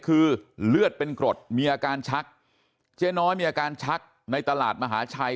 คือเลือดเป็นกรดมีอาการชักเจ๊น้อยมีอาการชักในตลาดมหาชัย